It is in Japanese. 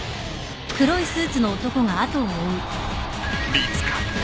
見つかった。